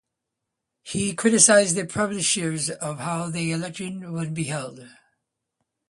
He criticised the procedures of how the election was held.